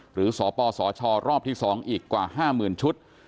สปสชรอบที่๒อีกกว่า๕๐๐๐ชุด